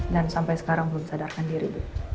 dan sampai sekarang belum sadarkan diri bu